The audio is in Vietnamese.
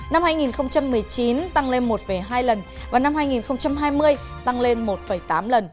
năm hai nghìn một mươi chín tăng lên một hai lần và năm hai nghìn hai mươi tăng lên một tám lần